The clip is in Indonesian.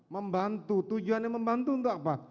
membantu tujuan yang membantu untuk apa